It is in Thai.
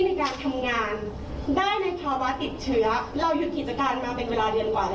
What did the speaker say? มีหน่วยงานไหนออกมารับผิดชอบบ้างไม่คะ